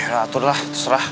ya atur lah terserah